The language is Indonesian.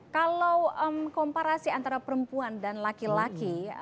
kalau komparasi antara perempuan dan laki laki